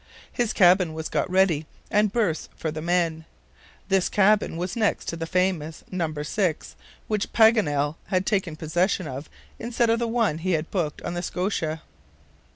His cabin was got ready, and berths for the men. This cabin was next to the famous number six, which Paganel had taken possession of instead of the one he had booked on the SCOTIA.